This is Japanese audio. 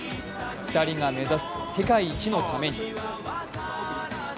２人が目指す世界一のために。